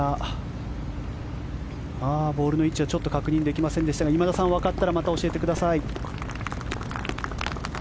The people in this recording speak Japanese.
ボールの位置は確認できませんでしたが今田さんわかったらまた教えてください。